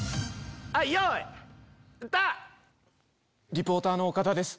リポーターの岡田です。